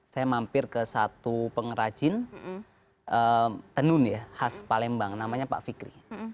saya mampir ke satu pengrajin tenun ya khas palembang namanya pak fikri